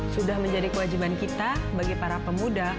sudah menjadi kewajiban kita bagi para pemuda